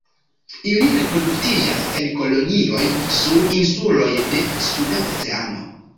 Ili reproduktiĝas en kolonioj sur insuloj de Suda Oceano.